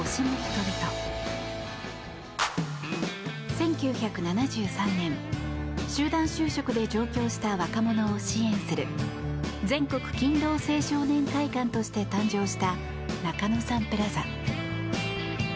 １９７３年、集団就職で上京した若者を支援する全国勤労青少年会館として誕生した中野サンプラザ。